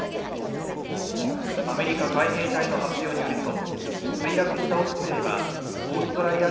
アメリカ海兵隊の発表によると、墜落したオスプレイはオーストラリア